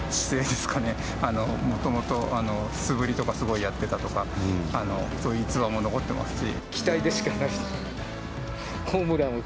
もともと素振りとかすごいやってたとかそういう逸話も残ってますし。